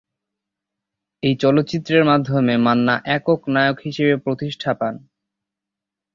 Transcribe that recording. এই চলচ্চিত্রের মাধ্যমে মান্না একক নায়ক হিসেবে প্রতিষ্ঠা পান।